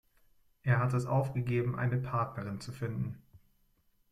Er hat es aufgegeben, eine Partnerin zu finden.